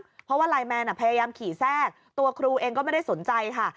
เพราะว่าไลน์แมนพยายามขี่แทรกตัวครูเองก็ไม่ได้สนใจค่ะ